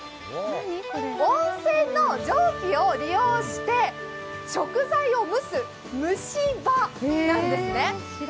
温泉の蒸気を利用して食材を蒸す、蒸し場なんですね。